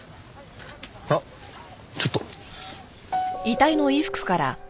あっちょっと。